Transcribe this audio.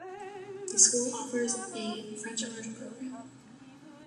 The school also offers a French Immersion program.